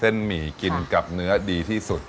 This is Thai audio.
หมี่กินกับเนื้อดีที่สุด